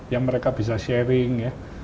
yang mereka bisa sharing ya